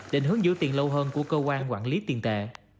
định hướng giữ tiền lâu hơn của cơ quan quản lý tiền tệ